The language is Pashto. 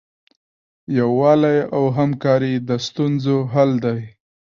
یووالی او همکاري د ستونزو حل دی.